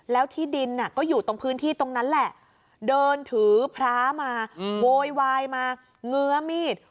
แล้วที่ดินก็อยู่ตรงพื้นที่ตรงนั้นแหละเดินถือพระมาโวยวายมาเงื้อมีด